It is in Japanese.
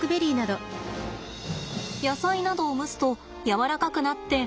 野菜などを蒸すとやわらかくなっておいしくなりますよね。